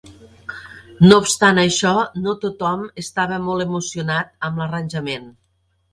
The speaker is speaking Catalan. No obstant això, no tothom estava molt emocionat amb l'arranjament.